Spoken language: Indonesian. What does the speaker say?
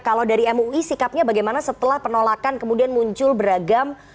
kalau dari mui sikapnya bagaimana setelah penolakan kemudian muncul beragam